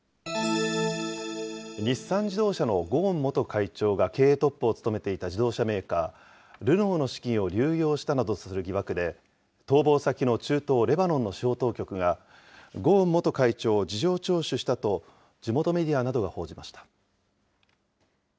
日産自動車のゴーン元会長が経営トップを務めていた自動車メーカー、ルノーの資金を流用したとする疑惑で、逃亡先の中東レバノンの司法当局が、ゴーン元会長を事情聴取したと、地元メディアなどが報じました。